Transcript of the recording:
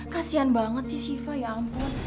kasian banget sih syifa ya ampun